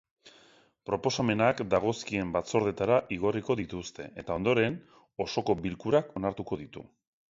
Proposamenak dagozkien batzordetara igorriko dituzte, eta ondoren osoko bilkurak onartuko ditu.